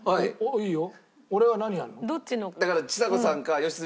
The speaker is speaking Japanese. いいよ。